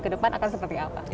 ke depan akan seperti apa